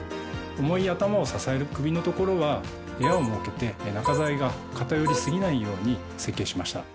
重い頭を支える首の所は部屋を設けて中材が片寄り過ぎないように設計しました。